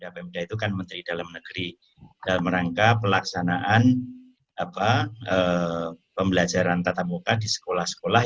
pemda itu kan menteri dalam negeri dalam rangka pelaksanaan pembelajaran tatap muka di sekolah sekolah